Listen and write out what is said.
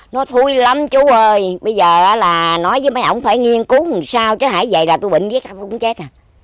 nó thui lắm chú ơi bây giờ là nói với mấy ổng phải nghiên cứu làm sao chứ hãy dậy là tôi bệnh ghét tôi cũng chết à